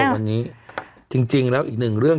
วันนี้จริงแล้วอีกหนึ่งเรื่อง